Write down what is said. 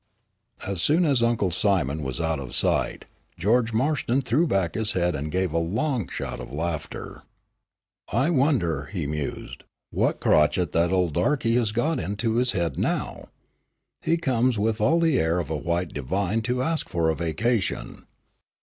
As soon as Uncle Simon was out of sight, George Marston threw back his head and gave a long shout of laughter. "I wonder," he mused, "what crotchet that old darkey has got into his head now. He comes with all the air of a white divine to ask for a vacation.